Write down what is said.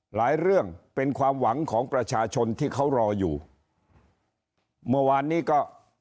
เรื่องเป็นความหวังของประชาชนที่เขารออยู่เมื่อวานนี้ก็